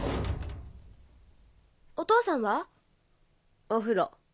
お父さんは？お風呂。